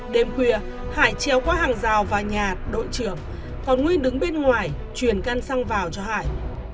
đêm khuya hải treo qua hàng rào và nhà đội trưởng còn nguyên đứng bên ngoài truyền can xăng vào cho hải